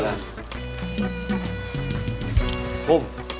jangan kebanyakan pamer